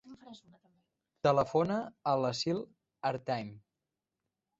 Telefona a l'Assil Artime.